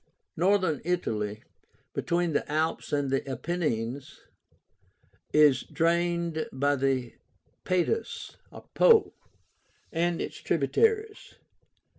Northern Italy, between the Alps and the Apennines, is drained by the Padus (Po) and its tributaries.